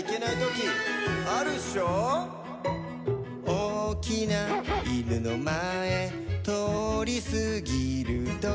「おおきないぬのまえとおりすぎるとき」